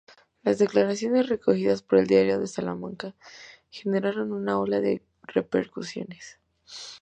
Las declaraciones, recogidas por El Diario de Salamanca, generaron una ola de repercusiones.